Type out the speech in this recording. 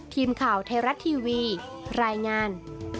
ทีมข่าวไทยรัฐทีวีรายงาน